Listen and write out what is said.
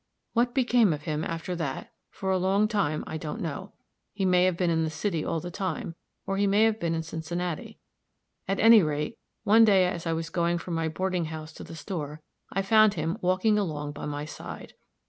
"What became of him, after that, for a long time, I don't know. He may have been in the city all the time, or he may have been in Cincinnati. At any rate, one day, as I was going from my boarding house to the store, I found him walking along by my side.